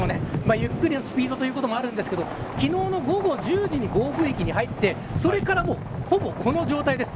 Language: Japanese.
ゆっくりのスピードということもあるんですが昨日の午後１０時に暴風域に入ってそれから、もうほぼこの状態です。